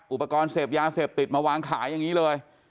อุปกรณ์เสพยาเสพติดมาวางขายอย่างนี้เลย